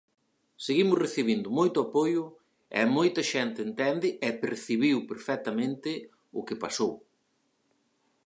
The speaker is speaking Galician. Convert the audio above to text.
Seguimos recibindo moito apoio e moita xente entende e percibiu perfectamente o que pasou.